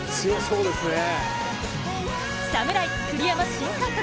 侍・栗山新監督